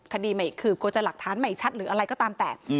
คดีคือควรจะหลักฐานใหม่ชัดหรืออะไรก็ตามแต่